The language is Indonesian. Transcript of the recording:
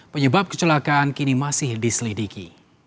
penyebab kecelakaan kini masih diselidiki